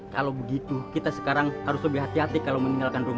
kalau begitu kita sekarang harus lebih hati hati kalau meninggalkan rumah